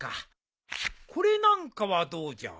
これなんかはどうじゃ？